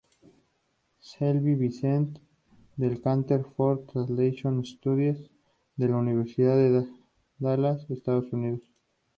Shelby Vincent del Center for translation studies, de la Universidad de Dallas, Estados Unidos.